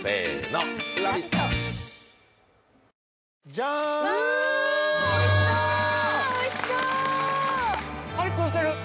ジャーンおいしそうパリッとしてる